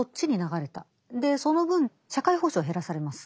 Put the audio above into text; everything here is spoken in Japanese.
その分社会保障減らされます。